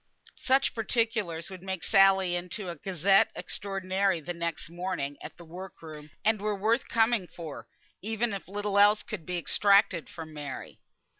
Such particulars would make Sally into a Gazette Extraordinary the next morning at the work room, and were worth coming for, even if little else could be extracted from Mary.